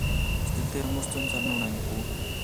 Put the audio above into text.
چې دلته ئې مونږ څو مثالونه وړاندې کوو-